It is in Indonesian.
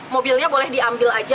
mobilnya boleh diambil saja